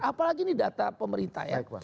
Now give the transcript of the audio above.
apalagi ini data pemerintah ya